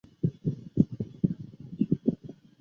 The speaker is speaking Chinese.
物种分布于东洋界及非洲。